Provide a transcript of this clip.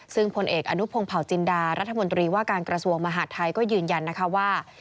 ซึ่งพลเอกอนุพงศ์เผาจินดารัฐมนตรีว่าการกระทรวงมหาดไทยก็ยืนยันนะคะว่า